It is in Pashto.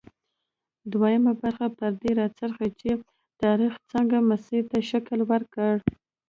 دویمه برخه پر دې راڅرخي چې تاریخ څنګه مسیر ته شکل ورکړ.